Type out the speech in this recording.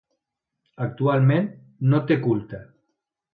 Actualment no té culte.